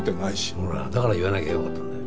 ほらだから言わなきゃよかったんだよ。